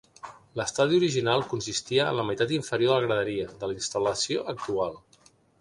L'estadi original consistia en la meitat inferior de la graderia de la instal·lació actual.